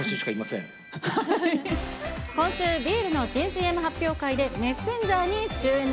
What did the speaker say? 今週、ビールの新ＣＭ発表会でメッセンジャーに就任。